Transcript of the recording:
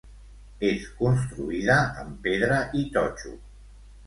És construïda amb pedra i totxo.